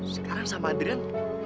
sekarang sama adrian